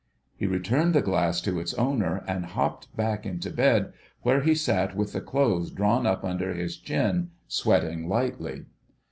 He returned the glass to its owner and hopped back into bed, where he sat with the clothes drawn up under his chin, sweating lightly.